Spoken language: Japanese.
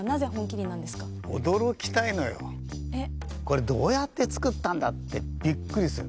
これどうやって作ったんだってびっくりする。